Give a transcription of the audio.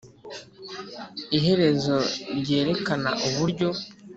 iherezo ryerekana uburyo.